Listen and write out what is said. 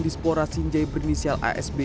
di spora sinjai berinisial asb